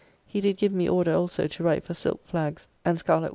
He did give me order also to write for silk flags and scarlett waistcloathes.